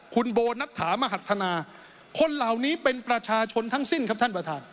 คุณโบนัทถามหัฒนาคนเหล่านี้เป็นประชาชนทั้งสิ้นครับท่านประธาน